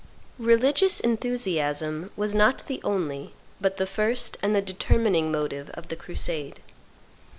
Religious enthusiasm was not the only, but the first and the determining motive of the crusade.